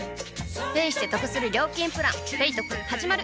ペイしてトクする料金プラン「ペイトク」始まる！